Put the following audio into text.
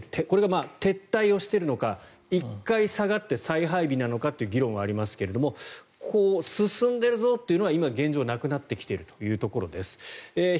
これが撤退をしているのか一回下がって再配備なのかという議論はありますが進んでるぞというのは今、現状なくなってきているというところです。